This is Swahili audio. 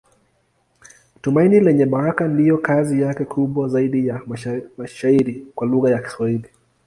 Tumaini Lenye Baraka ndiyo kazi yake kubwa zaidi ya mashairi kwa lugha ya Kiswahili.